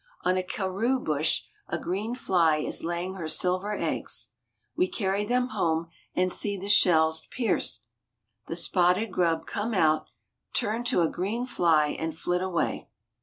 On a karroo bush a green fly is laying her silver eggs. We carry them home, and see the shells pierced, the spotted grub come out, turn to a green fly, and flit away.